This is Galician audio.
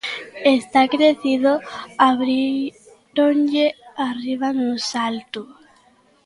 Está crecido, abríronlle arriba no salto.